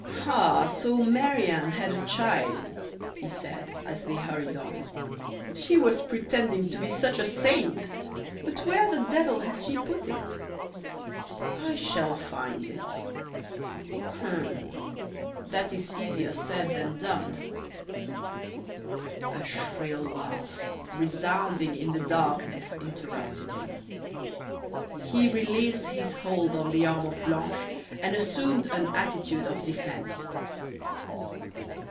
"Ah! so Marie Anne had a child," he said, as they hurried on. "She was pretending to be such a saint! But where the devil has she put it?" "I shall find it." "Hum! That is easier said than done." A shrill laugh, resounding in the darkness, interrupted him. He released his hold on the arm of Blanche and assumed an attitude of defence.